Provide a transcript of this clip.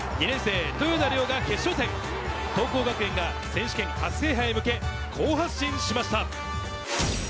２年生・豊田怜央が決勝点、桐光学園が選手権初制覇へ向け好発進しました。